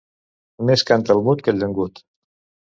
Més canta el mut que el llengut.